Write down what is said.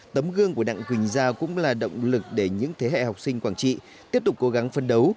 tấm gương của đặng quỳnh giao cũng là động lực để những thế hệ học sinh quảng trị tiếp tục cố gắng phân đấu